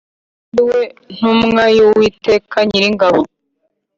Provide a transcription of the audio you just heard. kuko ari we ntumwa y’Uwiteka Nyiringabo.